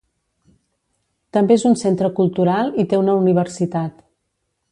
També és un centre cultural i té una universitat.